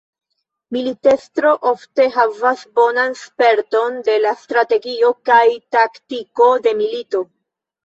Militestro ofte havas bonan sperton de la strategio kaj taktiko de milito.